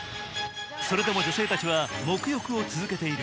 それでも女性たちはもく浴を続けている。